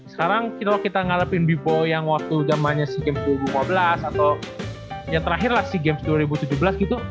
sekarang kalo kita ngarepin bboy yang waktu gamenya si games dua ribu lima belas atau yang terakhirlah si games dua ribu tujuh belas gitu